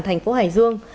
thành phố hải dương